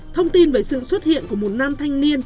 thông tin về sự xuất hiện của một nam thanh niên